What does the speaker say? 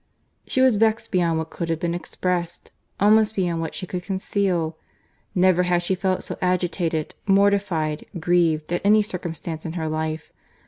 She was vexed beyond what could have been expressed—almost beyond what she could conceal. Never had she felt so agitated, mortified, grieved, at any circumstance in her life.